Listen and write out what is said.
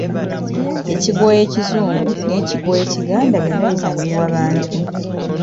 Ekigwo ekizungu n'ekigwo ekiganda byonna bizannyibwa bantu.